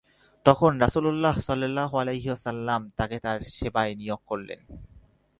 তখন রাসূলুল্লাহ সাল্লাল্লাহু আলাইহি ওয়াসাল্লাম তাকে তার সেবায় নিয়োগ করলেন।